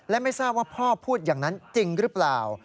และไม่ทราบว่าพ่อพูดอย่างนั้นจริงหรือเปล่า